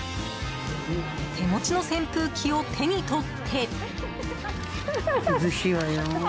手持ちの扇風機を手に取って。